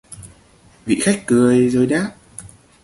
Vị Khách cười rồi đáp